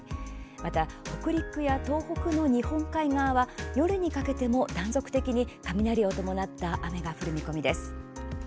また、北陸や東北の日本海側は夜にかけても断続的に雷を伴った雨が降る見込みです。